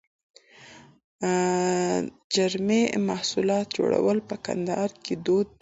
د چرمي محصولاتو جوړول په کندهار کې دود دي.